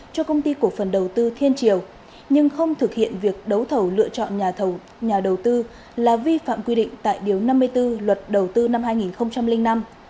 cho công ty cổ phần đầu tư thiên triều nhưng không thực hiện việc đấu thầu lựa chọn nhà đầu tư là vi phạm quy định tại điều năm mươi bốn luật đầu tư năm hai nghìn năm